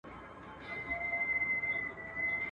پر يوسف عليه السلام باندي غمونه سپک سول.